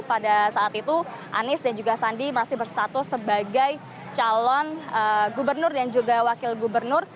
pada saat itu anies dan juga sandi masih berstatus sebagai calon gubernur dan juga wakil gubernur